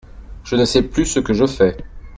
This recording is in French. Je ne sais plus ce que je fais !